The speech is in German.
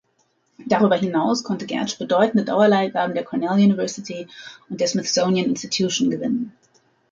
Darüber hinaus konnte Gertsch bedeutende Dauerleihgaben der Cornell University und der Smithsonian Institution gewinnen.